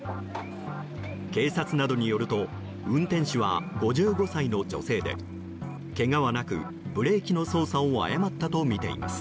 警察などによると運転手は５５歳の女性でけがはなく、ブレーキの操作を誤ったとみています。